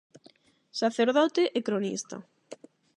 Sacerdote e cronista.